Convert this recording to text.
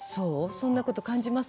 そんなこと感じます？